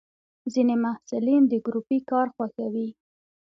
ځینې محصلین د ګروپي کار خوښوي.